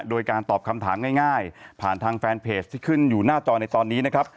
โดยการตอบคำถามง่ายผ่านทางแฟนเพจที่ขึ้นอยู่หน้าจอในตอนนี้นะครับ